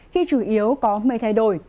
khi chủ yếu có mây thay đổi